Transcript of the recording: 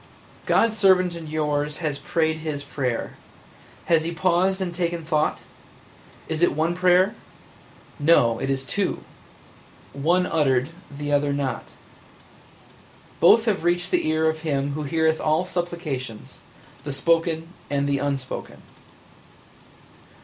"God's servant and yours has prayed his prayer. Has he paused and taken thought? Is it one prayer? No, it is two – one uttered, the other not. Both have reached the ear of Him Who heareth all supplications, the spoken and the unspoken.